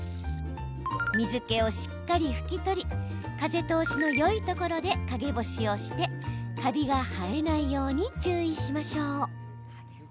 水けをしっかり拭き取り風通しのよいところで陰干しをしてカビが生えないように注意しましょう。